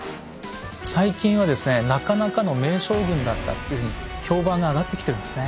最近はですねなかなかの名将軍だったっていうふうに評判が上がってきてるんですね。